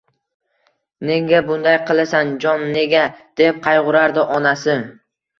— Nega bunday qilasan, Jon, nega? — deb qayg‘urardi onasi.